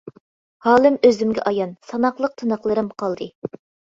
ھالىم ئۆزۈمگە ئايان، ساناقلىق تىنىقلىرىم قالدى.